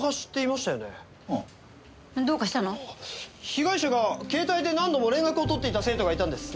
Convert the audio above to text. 被害者が携帯で何度も連絡を取っていた生徒がいたんです。